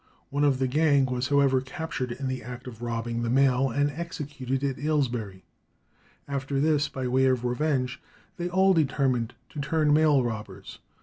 One of the gang was, however, captured in the act of robbing the mail and executed at Aylesbury. After this, by way of revenge, they all determined to turn mail robbers.